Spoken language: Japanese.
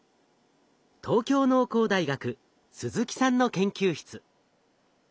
東京農工大学鈴木さんの研究室。